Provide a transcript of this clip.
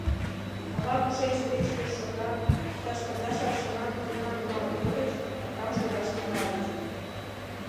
Ала-кушеч вич вершокан, иктаж кандаш аршынан пырням нумал тольыч, капкам шураш тӱҥальыч.